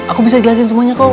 aku bisa jelasin semuanya kok